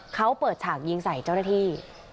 เขาเปิดฉากยิงใส่เจ้าหน้าที่